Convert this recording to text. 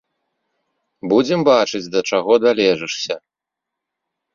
Будзем бачыць, да чаго далежышся.